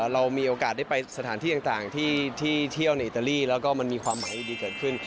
เรามีโอกาสได้ไปสถานที่ต่างที่เที่ยวในอิตาลีแล้วก็มันมีความหมายดีเกิดขึ้น